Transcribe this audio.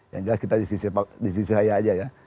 yang jelas kita di sisi saya aja ya